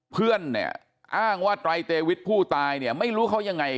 เพื่อนเนี่ยอ้างว่าไตรเตวิทผู้ตายเนี่ยไม่รู้เขายังไง